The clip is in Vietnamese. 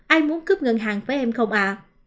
ai muốn cướp ngân hàng với em không ạ